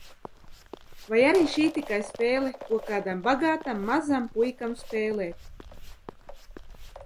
Vai arī šī tikai spēle, ko kādam bagātam, mazam puikam spēlēt?